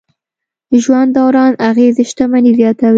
ژوند دوران اغېزې شتمني زیاتوي.